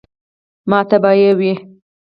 ماته به ئې وې ـ